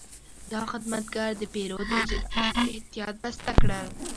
دا خدمتګر د پیرود اجناس په احتیاط بسته کړل.